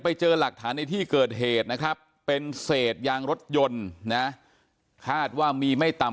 ไปเจอหลักฐานในที่เกิดเหตุนะครับเป็นเศษยางรถยนต์นะคาดว่ามีไม่ต่ำ